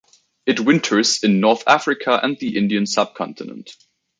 It winters in north Africa and the Indian subcontinent.